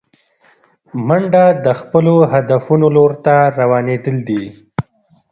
منډه د خپلو هدفونو لور ته روانېدل دي